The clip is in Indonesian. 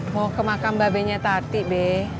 mau ke makam babenya tati be